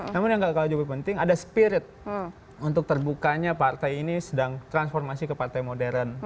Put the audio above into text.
namun yang gak kalah jauh lebih penting ada spirit untuk terbukanya partai ini sedang transformasi ke partai modern